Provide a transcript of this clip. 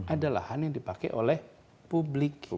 ada lahan yang dipakai oleh publik